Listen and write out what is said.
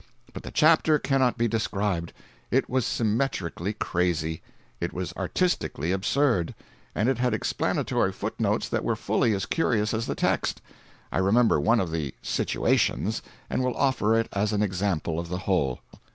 But the chapter cannot be described. It was symmetrically crazy; it was artistically absurd; and it had explanatory footnotes that were fully as curious as the text. I remember one of the "situations," and will offer it as an example of the whole.